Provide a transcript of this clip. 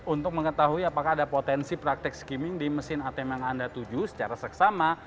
untuk mengetahui apakah ada potensi praktek skimming di mesin atm yang anda tuju secara seksama